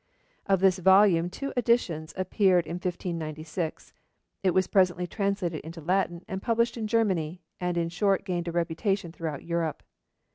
Of this volume two editions appeared in 1596, it was presently translated into Latin and published in Germany, and in short gained a reputation throughout Europe.